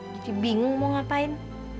jadi bingung mau ngapain